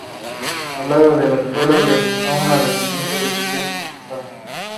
Al lado de la escuela organizó un residencia de estudiantes y un orfanato.